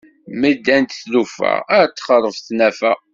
Mi d-ddant tlufa ad texreb tnafa.